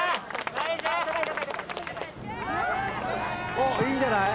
おいいんじゃない？